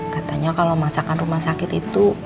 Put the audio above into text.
katanya kalau masakan rumah sakit itu